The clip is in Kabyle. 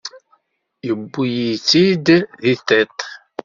Yewwi-yi-tt-id di tiṭ.